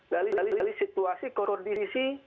dari situasi kondisi